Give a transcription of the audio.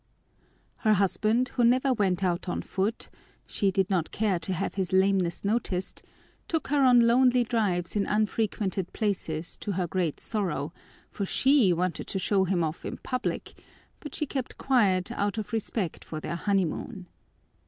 Her husband, who never went out on foot, she did not care to have his lameness noticed, took her on lonely drives in unfrequented places to her great sorrow, for she wanted to show him off in public, but she kept quiet out of respect for their honeymoon.